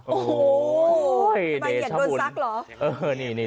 โอ้โหใบเหยียดโดนซักเหรอ